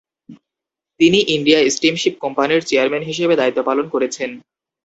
তিনি India steamship কোম্পানির chairman হিসেবে দায়িত্বপালন করেছেন।